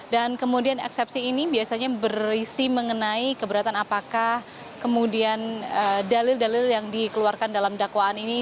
dan kemudian eksepsi ini biasanya berisi mengenai keberatan apakah kemudian dalil dalil yang dikeluarkan dalam dakwaan ini